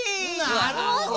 なるほど。